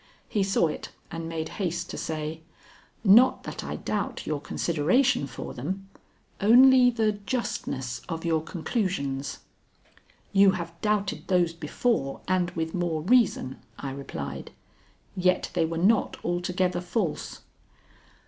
He saw it and made haste to say: "Not that I doubt your consideration for them, only the justness of your conclusions." "You have doubted those before and with more reason," I replied, "yet they were not altogether false."